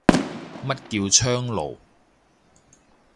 乜叫窗爐